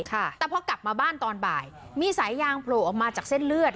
แต่พอกลับมาบ้านตอนบ่ายมีสายยางโผล่ออกมาจากเส้นเลือด